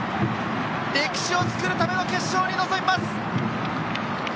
歴史を作るための決勝に臨みます！